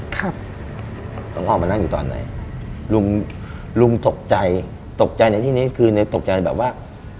ครับน้องอ้อมมานั่งอยู่ตอนไหนลุงลุงตกใจตกใจในที่นี้คือในตกใจแบบว่า